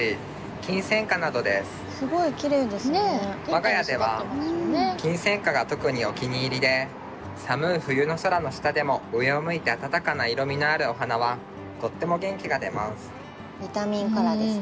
我が家ではキンセンカが特にお気に入りで寒い冬の空の下でも上を向いてあたたかな色みのあるお花はとっても元気が出ます。